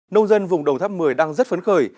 nông dân vùng đồng tháp một mươi đang rất phấn khởi